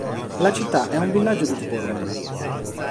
La città è un villaggio di tipo urbano.